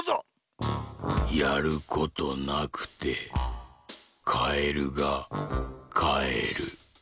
「やることなくてカエルがかえる」。